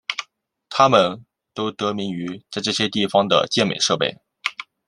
它们都得名于在这些地方的健美设备。